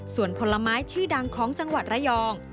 ส่วนผลไม้ชื่อดังของจังหวัดระยอง